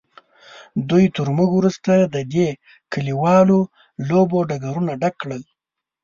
دوی تر موږ وروسته د دې کلیوالو لوبو ډګرونه ډک کړل.